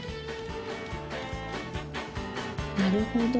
なるほど。